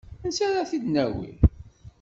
Ansi ara t-id-nawi?